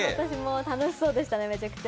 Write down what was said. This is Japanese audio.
楽しそうでした、めちゃくちゃ。